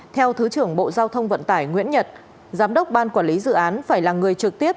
theo thứ trưởng bộ giao thông vận tải nguyễn nhật giám đốc ban quản lý dự án phải là người trực tiếp